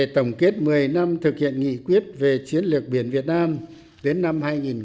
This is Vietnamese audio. tổng kết một mươi năm thực hiện nghị quyết về chiến lược biển việt nam đến năm hai nghìn ba mươi